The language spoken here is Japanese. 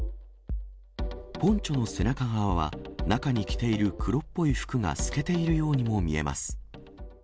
ポンチョの背中側は、中に着ている黒っぽい服が透けているようにも見えます。